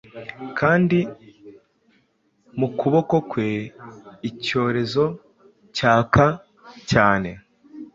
Kandi mu kuboko kwe icyorezo cyaka cyane;